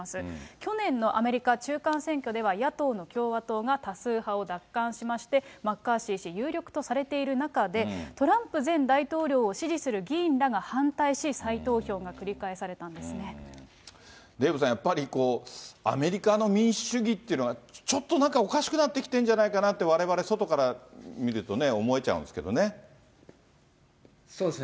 去年のアメリカ中間選挙では野党の共和党が多数派を奪還しまして、マッカーシー氏有力とされている中で、トランプ前大統領を支持する議員らが反対し、デーブさん、やっぱりこう、アメリカの民主主義ってのは、ちょっとなんかおかしくなってきてるんじゃないかなって、われわれ、外から見るとね、思えちゃうんですけどね。